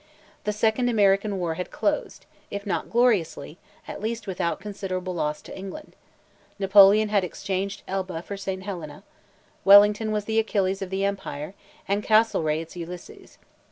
The second American war had closed, if not gloriously, at least without considerable loss to England; Napoleon had exchanged Elba for St. Helena: Wellington was the Achilles of the Empire, and Castlereagh its Ulysses.